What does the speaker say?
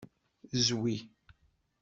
Zwi.